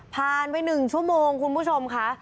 ผ่านไป๑ชั่วโมงคุณผู้ชมค่ะ